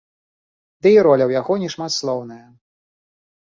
Ды і роля ў яго не шматслоўная.